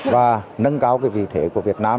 và nâng cao cái vị thế của việt nam